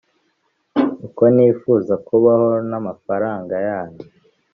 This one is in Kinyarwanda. uko nifuza kubaho n’amafaranga yanyu